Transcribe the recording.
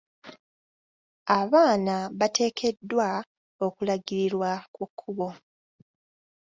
Abaana bateekeddwa okulagirirwa ku kkubo.